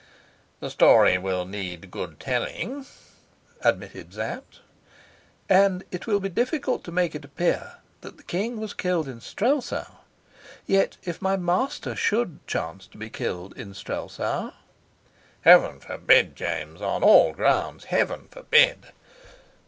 "The story will need good telling," admitted Sapt. "And it will be difficult to make it appear that the king was killed in Strelsau; yet if my master should chance to be killed in Strelsau " "Heaven forbid, James! On all grounds, Heaven forbid!"